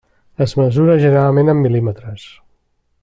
Es mesura generalment en mil·límetres.